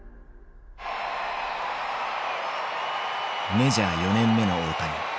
メジャー４年目の大谷。